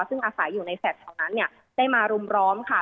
ซึ่งอาศัยอยู่ในแสดต์เฉานั้นได้มารุมล้อมค่ะ